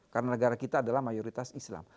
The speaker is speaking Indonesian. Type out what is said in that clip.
karena negara kita adalah mayoritas islam